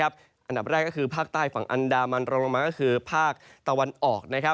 อันดับแรกก็คือภาคใต้ฝั่งอันดามันรองลงมาก็คือภาคตะวันออก